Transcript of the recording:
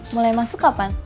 mulai masuk kapan